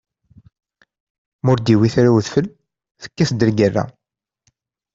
Ma ur d-iwwit ara udfel, tekkat-d lgerra.